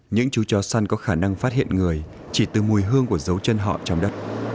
những chú chó săn có khả năng phát hiện người chỉ từ mùi hương của dấu chân họ trong đất